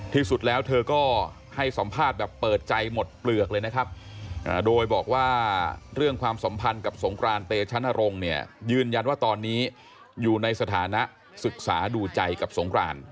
ที่สุดแล้วเธอก็ให้สัมภาษณ์แบบเปิดใจหมดเปลือกเลยนะครับโดยบอกว่าเรื่องความสัมพันธ์กับสงครานเตชะนรงค์เนี่ยยืนยันว่าตอนนี้อยู่ในสถานะศึกษาดูใจกับสงคราน